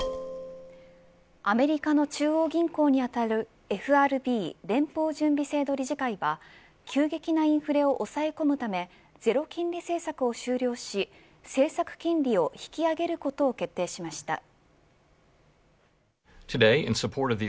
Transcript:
アメリカの中央銀行にあたるＦＲＢ連邦準備制度理事会は急激なインフレを抑え込むためゼロ金利政策を終了し政策金利を引き上げることを決定しました。